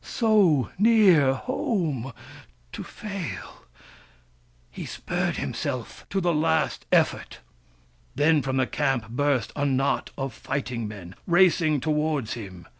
So near home, to fail ! He spurred himself to the last effort. Then from the camp burst a knot of fighting men, racing towards him.